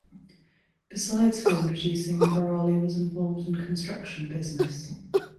Besides film producing Bharali was involved in construction business.